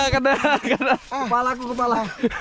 kepala aku kepala